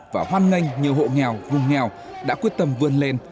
và hoan nghênh nhiều hộ nghèo vùng nghèo đã quyết tâm vươn lên